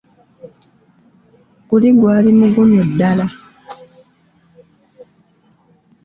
Guli gwali mugomyo ddala!